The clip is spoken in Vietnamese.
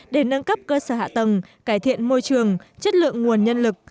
để nâng cấp cơ sở hạ tầng cải thiện môi trường chất lượng nguồn nhân lực